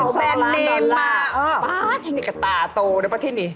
ตัดกระเป๋าแบนแเนมมา